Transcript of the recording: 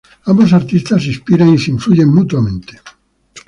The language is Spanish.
Ambos artistas se inspiran y se influyen mutuamente.